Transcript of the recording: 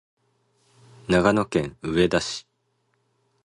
長野県上田市